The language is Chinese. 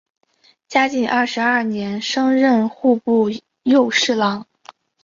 嘉靖二十二年升任户部右侍郎。